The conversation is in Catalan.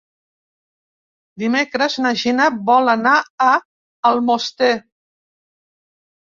Dimecres na Gina vol anar a Almoster.